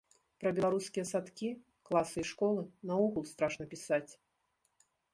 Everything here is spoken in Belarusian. Пра беларускія садкі, класы і школы наогул страшна пісаць.